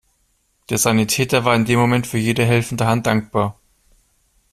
Der Sanitäter war in dem Moment für jede helfende Hand dankbar.